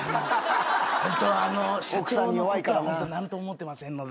ホントは社長のことはホント何とも思ってませんので。